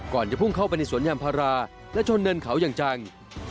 จะพุ่งเข้าไปในสวนยางพาราและชนเนินเขาอย่างจัง